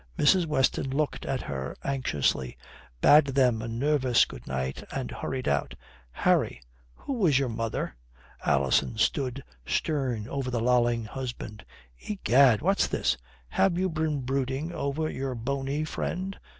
Mrs. Weston looked at her anxiously, bade them a nervous good night, and hurried out. "Harry who was your mother?" Alison stood stern over the lolling husband. "Egad, what's this? Have you been brooding over your bony friend?